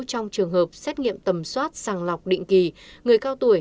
trong trường hợp xét nghiệm tầm soát sàng lọc định kỳ người cao tuổi